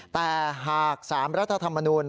แต่หากสารรัฐธรรมนูญ